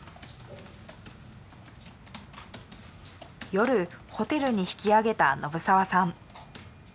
夜ホテルに引き揚げた信澤さん。